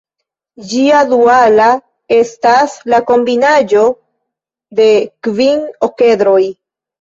Ĝia duala estas la kombinaĵo de kvin okedroj.